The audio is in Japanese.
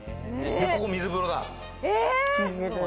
ここ水風呂だ。